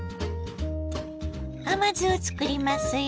甘酢を作りますよ。